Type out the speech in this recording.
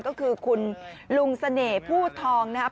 ก็คือคุณลุงเสน่ห์ผู้ทองนะครับ